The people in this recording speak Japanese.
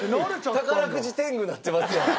宝くじ天狗なってますやん。